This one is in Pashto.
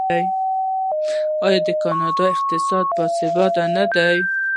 آیا د کاناډا اقتصاد باثباته نه دی؟